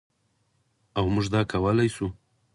او موږ دا کولی شو.